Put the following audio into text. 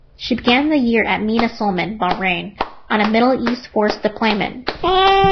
She began the year at Mina Sulman, Bahrain, on a Middle East Force deployment.